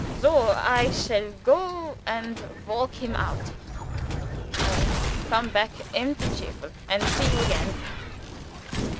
Soh! I shall go and walk him out, and come back empty cheerful, and see you again."